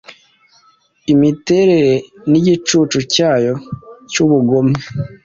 Imiterere nigicucu cyayo cyubugome.